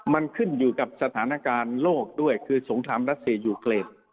มันขึ้นอยู่กับสถานการณ์โลกด้วยคือสงครามรัสเซียยูเกรด